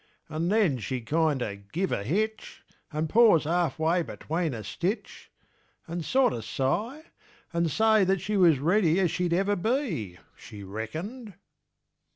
And then she'd kinder give a hitch, And pause half way between a stitch. And sorter sigh, and say that she Was ready as she'd ever be. She reckoned.